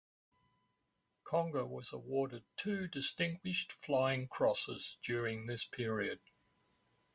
Conger was awarded two Distinguished Flying Crosses during this period.